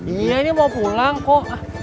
iya ini mau pulang kok